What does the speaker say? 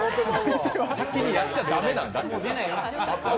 先にやっちゃ駄目なんだって。